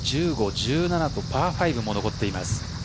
１５、１７とパー５も残っています。